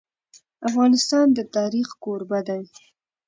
افغانستان د تاریخ کوربه دی.